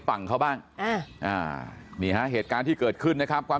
ฝั่งเขาบ้างนี่ฮะเหตุการณ์ที่เกิดขึ้นนะครับความ